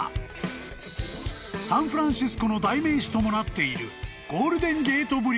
［サンフランシスコの代名詞ともなっている］